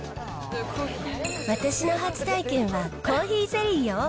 私の初体験はコーヒーゼリーよ。